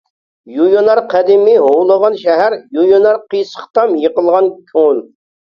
يۇيۇنار قەدىمىي ھۇۋلىغان شەھەر، يۇيۇنار قىيسىق تام، يىقىلغان كۆڭۈل.